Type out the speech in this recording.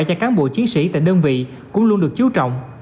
cho cán bộ chiến sĩ tại đơn vị cũng luôn được chú trọng